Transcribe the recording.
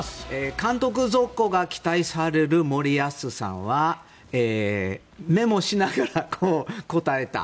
監督続行が期待される森保さんはメモしながら答えた。